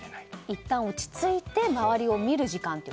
いったん落ち着いて周りを見る時間と。